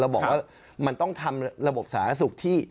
บอกว่ามันต้องทำระบบสาธารณสุขที่